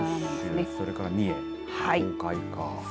九州それから三重、東海か。